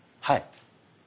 はい。